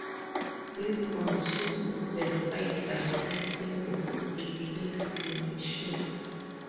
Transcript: This condition is verified by testing the feasibility condition.